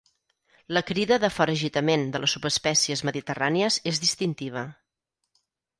La crida de foragitament de les subespècies mediterrànies és distintiva.